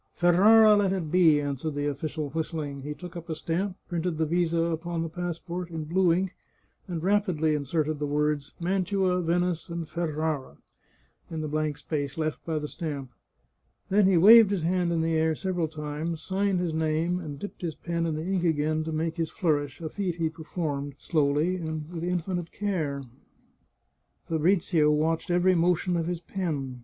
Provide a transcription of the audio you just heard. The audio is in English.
Ferrara let it be," answered the official, whistling ; he took up a stamp, printed the visa upon the passport in blue ink, and rapidly inserted the words " Mantua, Venice, and Ferrara " in the blank space left by the stamp. Then he waved his hand in the air several times, signed his name, and dipped his pen in the ink again to make his flourish, a feat he performed slowly and with infinite care. Fabrizio watched every motion of his pen.